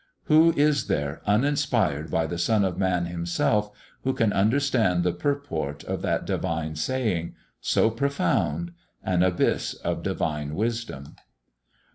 Who is there, uninspired by the Son of Man Himself, who can understand the purport of that divine saying so profound an abyss of divine wisdom?